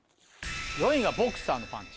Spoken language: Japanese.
４位がボクサーのパンチ。